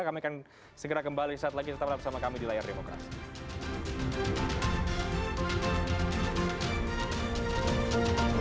kami akan segera kembali saat lagi tetap bersama kami di layar demokrasi